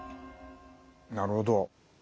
なるほど。